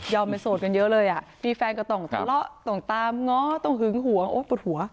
เป็นโสดกันเยอะเลยอ่ะมีแฟนก็ต้องทะเลาะต้องตามง้อต้องหึงหวงโอ้ยปวดหัว